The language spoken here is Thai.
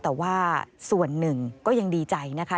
แต่ว่าส่วนหนึ่งก็ยังดีใจนะคะ